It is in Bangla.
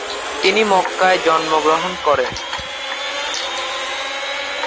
তিনি মক্কায় জন্মগ্রহণ করেন।